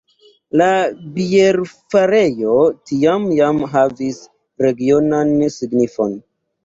La bierfarejo tiam jam havis regionan signifon.